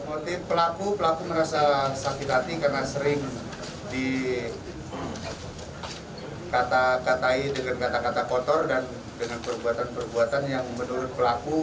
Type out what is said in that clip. motif pelaku pelaku merasa sakit hati karena sering dikatakan kata kata kotor dan dengan perbuatan perbuatan yang menurut pelaku